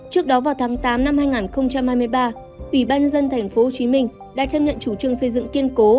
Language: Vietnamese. trước đó vào tháng tám năm hai nghìn hai mươi ba ủy ban nhân dân tp hcm đã chấp nhận chủ trương xây dựng kiên cố